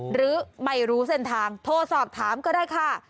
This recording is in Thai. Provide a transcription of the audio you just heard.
หรือไม่รู้เส้นทางโทรสอบถามก็ได้ค่ะ